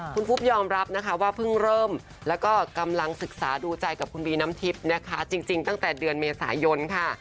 คุณปุ๊บยอมรับนะคะว่าเพิ่งเริ่มแล้วก็กำลังศึกษาดูใจกับคุณบีน้ำทิพย์นะคะจริงตั้งแต่เดือนเมษายนค่ะ